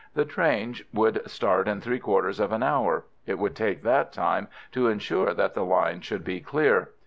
The train would start in three quarters of an hour. It would take that time to insure that the line should be clear.